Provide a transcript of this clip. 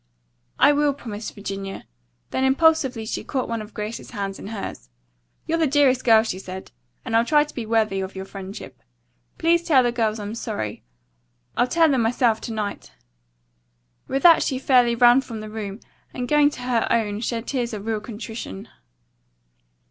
"I will," promised Virginia. Then impulsively she caught one of Grace's hands in hers. "You're the dearest girl," she said, "and I'll try to be worthy of your friendship. Please tell the girls I'm sorry. I'll tell them myself to night." With that she fairly ran from the room, and going to her own shed tears of real contrition.